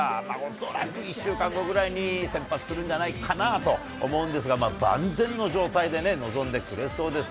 恐らく１週間後ぐらいに先発するんじゃないかなと思うんですが、万全の状態で臨んでくれそうです。